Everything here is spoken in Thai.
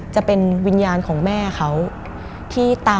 มันกลายเป็นรูปของคนที่กำลังขโมยคิ้วแล้วก็ร้องไห้อยู่